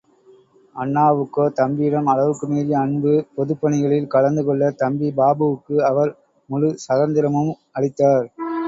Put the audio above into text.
அண்ணாவுக்கோ தம்பியிடம் அளவுக்கு மீறிய அன்பு, பொதுப்பணிகளில் கலந்து கொள்ள தம்பி பாபுவுக்கு அவர் முழுச் சதந்திரமும் அளித்தார்.